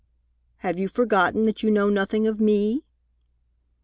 "Have you forgotten that you know nothing of me?"